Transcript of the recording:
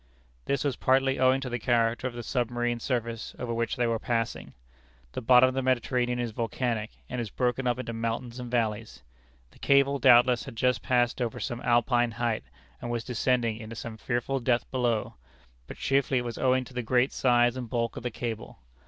This was partly owing to the character of the submarine surface over which they were passing. The bottom of the Mediterranean is volcanic, and is broken up into mountains and valleys. The cable, doubtless, had just passed over some Alpine height, and was descending into some fearful depth below; but chiefly it was owing to the great size and bulk of the cable.